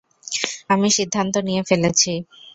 আমি সিদ্ধান্ত নিয়ে ফেলেছি।